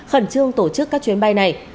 khẩn trương tổ chức các chuyến bay này